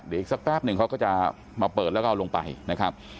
เดี๋ยวอีกสักแป๊บหนึ่งเขาก็จะมาเปิดแล้วก็เอาลงไปนะครับ